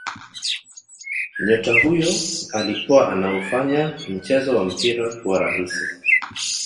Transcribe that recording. Nyota huyo alikuwa anaufanya mchezo wa mpira kuwa rahisi